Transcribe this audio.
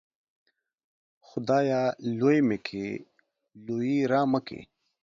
خدايه! لوى مې کې ، لويي رامه کې.